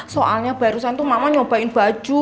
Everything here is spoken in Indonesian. soalnya barusan tuh mama nyobain baju